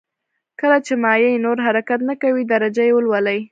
کله چې مایع نور حرکت نه کوي درجه یې ولولئ.